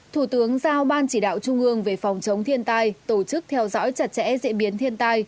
thủ tướng giao ban chỉ đạo trung ương về phòng chống thiên tai tổ chức theo dõi chặt chẽ diễn biến thiên tai